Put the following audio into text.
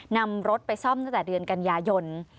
นำรถไปซ่อมตั้งแต่เดือนกันยายน